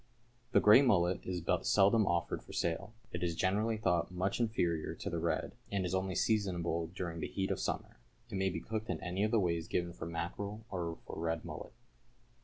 = The grey mullet is but seldom offered for sale. It is generally thought much inferior to the red, and is only seasonable during the heat of summer. It may be cooked in any of the ways given for mackerel or for red mullet.